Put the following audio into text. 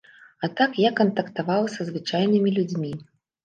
А так я кантактавала са звычайнымі людзьмі.